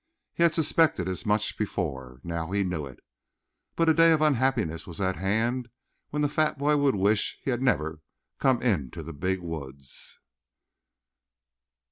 He had suspected as much before. Now he knew it. But a day of unhappiness was at hand when the fat boy would wish he never had come into the big woods.